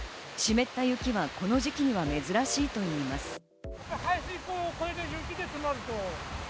湿った雪はこの時期には珍しいといいます。